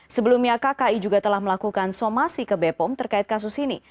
sebelumnya kki juga telah melakukan somasi ke bepom terkait kasus ini